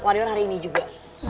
warion hari ini juga